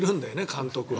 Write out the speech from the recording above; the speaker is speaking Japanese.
監督は。